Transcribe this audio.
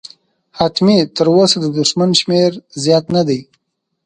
حتمي، تراوسه د دښمن شمېر زیات نه دی.